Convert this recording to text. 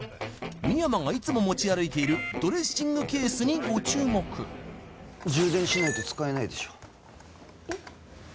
深山がいつも持ち歩いているドレッシングケースにご注目充電しないと使えないでしょえっ？